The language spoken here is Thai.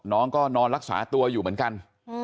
น้องก็นอนรักษาตัวอยู่เหมือนกัน